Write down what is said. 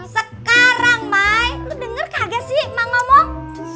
sekarang mai lo denger kagak sih mak ngomong